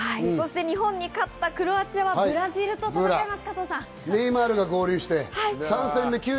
日本に勝ったクロアチアはブラジルと対戦します。